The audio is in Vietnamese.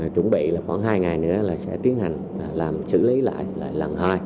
chuẩn bị khoảng hai ngày nữa sẽ tiến hành xử lý lại lần hai